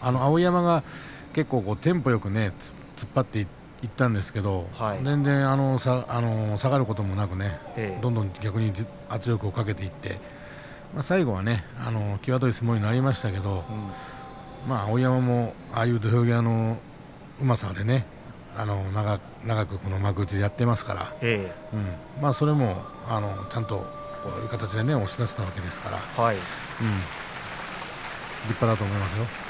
碧山が結構テンポよくいったんですけど全然、下がることもなくどんどん逆に圧力をかけていって最後は際どい相撲になりましたけど碧山もああいう土俵際のうまさで長くこの幕内でやっていますからそれもちゃんと押し出せたわけですから立派だと思います。